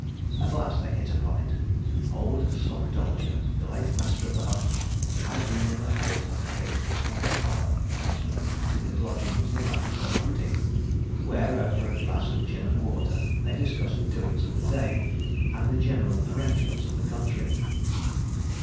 At last they hit upon it. Old Slocdolager, the late master of the hunt, had been in the habit of having Tom Towler, the huntsman, to his lodgings the night before hunting, where, over a glass of gin and water, they discussed the doings of the day, and the general arrangements of the country.